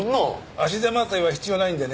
足手まといは必要ないんでね。